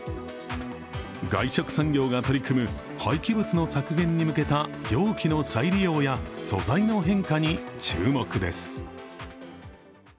外食産業が取り組む廃棄物の削減に向けた容器の再利用や素材の変化に注目です。